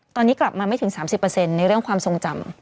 ตอนนี้กลับมาไม่ถึง๓๐ในเรื่องความทรงจำ